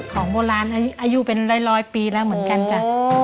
ของโบราณอายุเป็นร้อยปีแล้วเหมือนกันจ้ะ